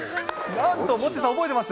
なんと、モッチーさん、覚えてます？